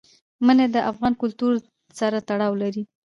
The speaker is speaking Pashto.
منی د افغان کلتور سره تړاو لري.